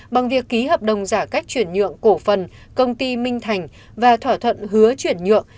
bằng việc ký hợp đồng giả cách chuyển nhượng cổ phần công ty minh thành và thỏa thuận hứa chuyển nhượng